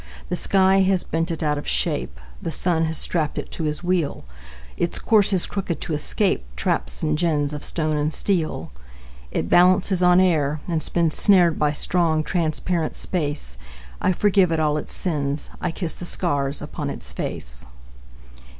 The sky has bent it out of shape; The sun has strapped it to his wheel; Its course is crooked to escape Traps and gins of stone and steel. It balances on air, and spins Snared by strong transparent space; I forgive it all its sins; I kiss the scars upon its face.